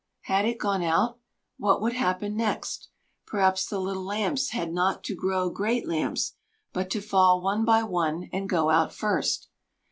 Had it gone out? What would happen next? Perhaps the little lamps had not to grow great lamps, but to fall one by one and go out first?